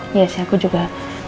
iya sih aku juga